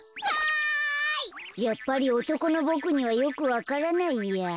やっぱりおとこのボクにはよくわからないや。